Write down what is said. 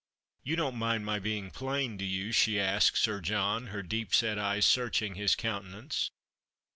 " You don't mind my being plain, do you ?" she asked Sir John, her deep set eyes searching his countenance.